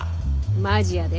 マジやで。